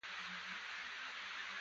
ګلاب د طبیعت زړه دی.